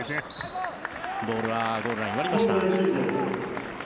ボールはゴールラインを割りました。